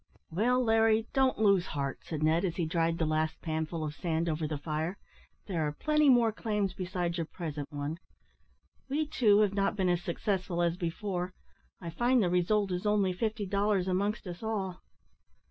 "Well, Larry, don't lose heart," said Ned, as he dried the last panful of sand over the fire, "there are plenty more claims beside your present one. We, too, have not been as successful as before. I find the result is only fifty dollars amongst us all."